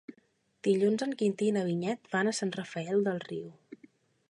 Dilluns en Quintí i na Vinyet van a Sant Rafel del Riu.